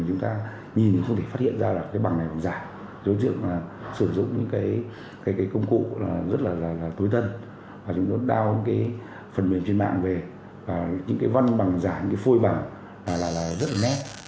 chúng tôi đã đăng ký phần mềm trên mạng về những cái văn bằng giả những cái phôi bằng là rất là nét